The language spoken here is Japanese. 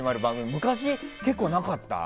昔、結構なかった？